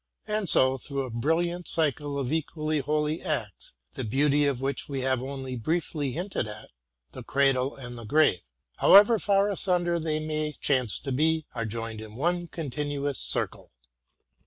And so, through a brilliant cycle of equally holy acts, the beauty of which we have only briefly hinted at, the cradle and the grave, however far asunder they may chance to be, are joined in one continuous circle.